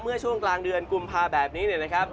เมื่อช่วงกลางเดือนกุมภาแบบนี้เนี่ยนะครับ